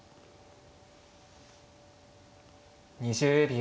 ２０秒。